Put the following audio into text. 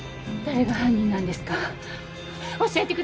誰が犯人なんですか？